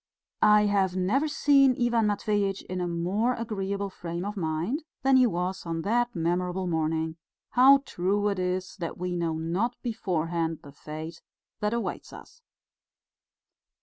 I have never seen Ivan Matveitch in a more agreeable frame of mind than he was on that memorable morning how true it is that we know not beforehand the fate that awaits us!